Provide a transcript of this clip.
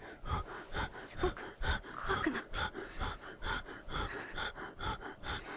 すごく怖くなってうぅ。